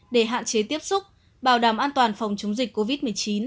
để hạn chế tiếp xúc bảo đảm an toàn phòng chống dịch covid một mươi chín